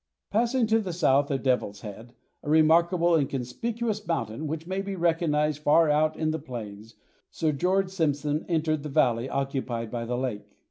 Passing to the south of the Devil's Head, a remarkable and conspicuous mountain which may be recognized far out on the plains, Sir George Simpson entered the valley occupied by the lake.